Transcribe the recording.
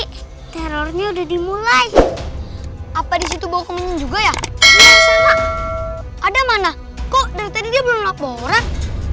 hai terornya udah dimulai apa disitu bawa keminyak juga ya ada mana kok dari dia belum laporan